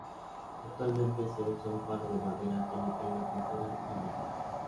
Actualmente se usa un palo de madera que no tenga pintura ni barniz.